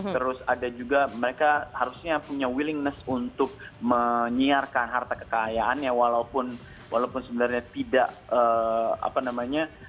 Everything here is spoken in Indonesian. terus ada juga mereka harusnya punya willingness untuk menyiarkan harta kekayaannya walaupun sebenarnya tidak apa namanya